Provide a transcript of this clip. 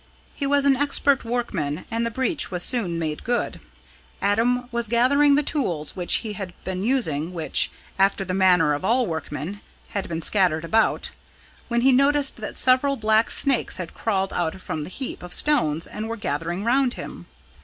He was an expert workman, and the breach was soon made good. Adam was gathering the tools which he had been using which, after the manner of all workmen, had been scattered about when he noticed that several black snakes had crawled out from the heap of stones and were gathering round him.